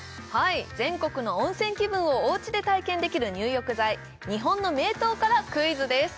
全国の温泉気分をおうちで体験できる入浴剤日本の名湯からクイズです